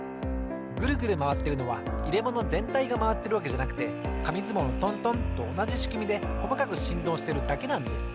グルグルまわってるのはいれものぜんたいがまわってるわけじゃなくてかみずもうのトントンとおなじしくみでこまかくしんどうしてるだけなんです。